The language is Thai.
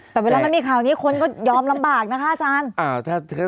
แต่เวลามันมีข่าวนี้คนก็ยอมลำบากนะคะอาจารย์